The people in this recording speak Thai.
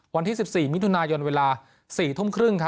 วันที่๑๔มิถุนายนเวลา๔ทุ่มครึ่ง